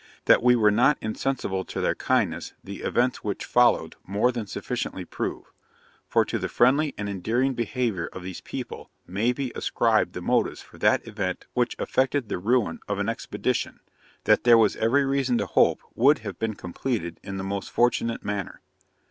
That we were not insensible to their kindness, the events which followed more than sufficiently prove; for to the friendly and endearing behaviour of these people, may be ascribed the motives for that event which effected the ruin of an expedition, that there was every reason to hope would have been completed in the most fortunate manner.'